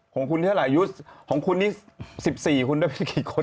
ของคุณเท่าไหร่อายุของคุณนี่๑๔คุณได้ไปกี่คน